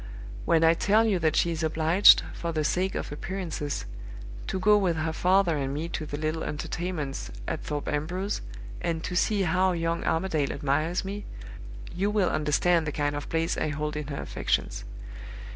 When I tell you that she is obliged, for the sake of appearances, to go with her father and me to the little entertainments at Thorpe Ambrose, and to see how young Armadale admires me, you will understand the kind of place I hold in her affections.